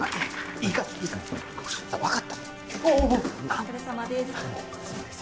お疲れさまです。